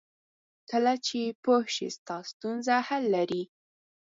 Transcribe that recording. کله چې پوه شې ستا ستونزه حل لري.